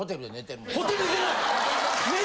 ホテルじゃない！